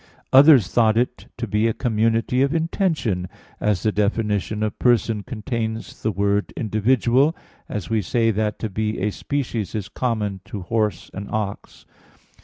Others thought it to be a community of intention, as the definition of person contains the word "individual"; as we say that to be a species is common to horse and ox.